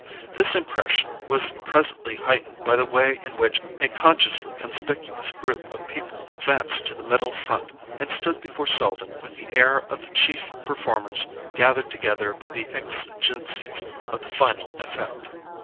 This impression was presently heightened by the way in which a consciously conspicuous group of people advanced to the middle front, and stood before Selden with the air of the chief performers gathered together by the exigencies of the final effect.